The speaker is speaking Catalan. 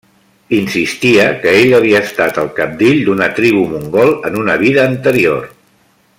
Insistia que ell havia estat el cabdill d'una tribu mongol en una vida anterior.